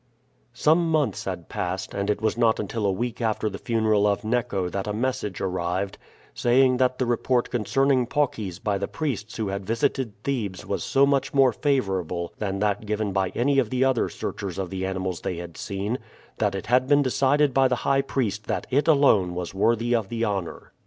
Some months had passed, and it was not until a week after the funeral of Neco that a message arrived, saying that the report concerning Paucis by the priests who had visited Thebes was so much more favorable than that given by any of the other searchers of the animals they had seen, that it had been decided by the high priest that it alone was worthy of the honor.